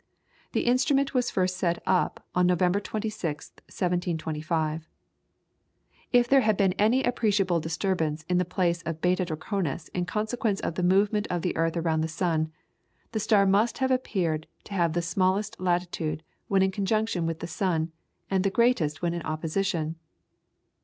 The instrument was first set up on November 26th, 1725. If there had been any appreciable disturbance in the place of Beta Draconis in consequence of the movement of the earth around the sun, the star must appear to have the smallest latitude when in conjunction with the sun, and the greatest when in opposition.